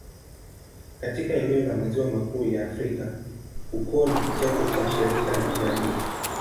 Katika eneo la Maziwa Makuu ya Afrika, ukoo ni kitengo cha shirika la kijamii.